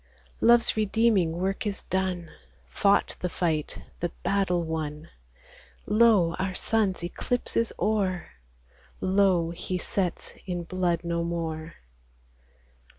Love's redeeming work is done, Fought the fight, the battle won ; Lo ! our Sun's eclipse is o'er : Lo ! He sets in blood no more.